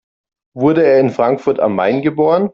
Wurde er in Frankfurt am Main geboren?